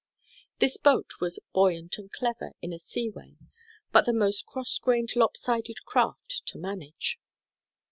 This boat was "buoyant and clever in a sea way, but the most cross grained, lopsided craft to manage.